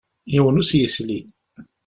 Yiwen ur s-yesli.